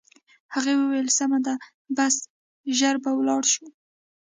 هغې وویل: سمه ده، بس ژر به ولاړ شو.